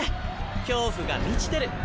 恐怖が満ちてる。